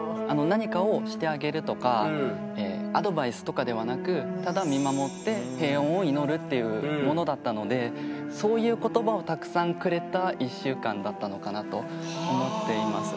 何かをしてあげるとかアドバイスとかではなくっていうものだったのでそういう言葉をたくさんくれた１週間だったのかなと思っています。